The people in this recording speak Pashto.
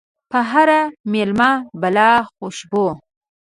په هر ميلمه بلا خوشبو